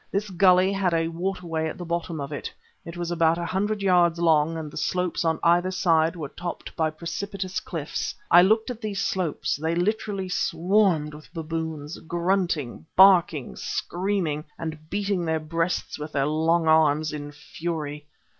This gulley had a water way at the bottom of it; it was about a hundred yards long, and the slopes on either side were topped by precipitous cliffs. I looked at these slopes; they literally swarmed with baboons, grunting, barking, screaming, and beating their breasts with their long arms, in fury.